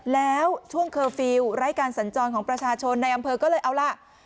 แล้วช่วงเคอร์ฟิลล์ไร้การสัญจรของประชาชนในอำเภอก็เลยเอาล่ะ